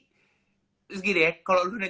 terus gini ya kalau lo udah